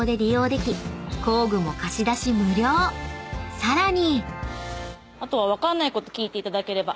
［さらに］